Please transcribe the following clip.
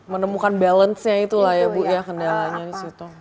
menemukan balance nya itulah ya bu ya kendalanya di situ